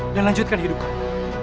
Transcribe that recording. dan lanjutkan hidup kamu